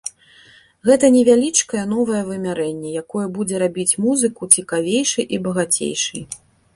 Гэта невялічкае новае вымярэнне, якое будзе рабіць музыку цікавейшай і багацейшай.